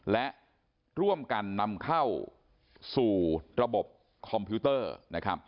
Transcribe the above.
และร่วมกันนำเข้าสู่ระบบคอมพิวเตอร์นะครับ